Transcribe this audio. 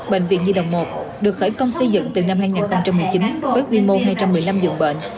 bệnh viện nhi động một tp hcm được khởi công xây dựng từ năm hai nghìn một mươi chín với quy mô hai trăm một mươi năm dường bệnh